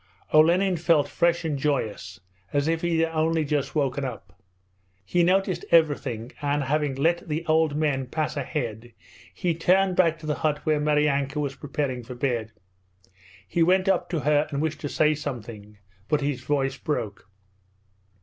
Olenin felt fresh and joyous, as if he had only just woke up. He noticed everything, and having let the old men pass ahead he turned back to the hut where Maryanka was preparing for bed. He went up to her and wished to say something, but his voice broke.